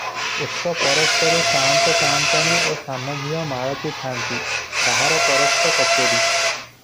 ଏକ ପରସ୍ତରେ ସାଆନ୍ତ ସାଆନ୍ତାଣି ଓ ସାନଝିଅ ମାଳତି ଥାନ୍ତି, ବାହାର ପରସ୍ତ କଚେରୀ ।